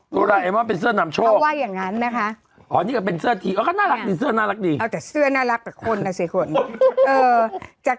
โดเรมอนเป็นเสื้อนำโชค